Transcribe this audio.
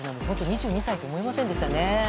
２２歳とは思えませんでしたね。